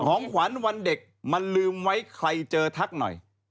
ของขวัญวันเด็กมันลืมไว้ใครเจอทักหน่อย